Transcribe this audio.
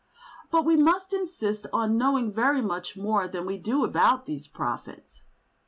But we must insist on knowing very much more than we do about these profits.